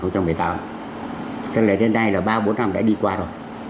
cho nên đến đây là ba bốn năm đã đi qua rồi